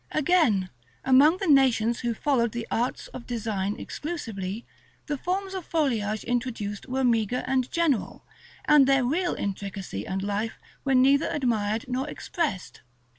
Again, among the nations who followed the arts of design exclusively, the forms of foliage introduced were meagre and general, and their real intricacy and life were neither admired nor expressed.